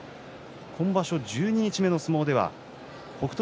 今場所、十二日目の相撲では北勝